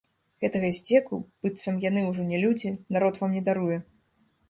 Гэтага здзеку, быццам яны ўжо не людзі, народ вам не даруе.